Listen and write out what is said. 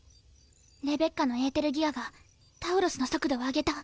レベッカのエーテルギアがタウロスの速度を上げた。